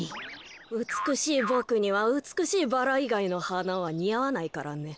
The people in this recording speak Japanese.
うつくしいボクにはうつくしいバラいがいのはなはにあわないからね。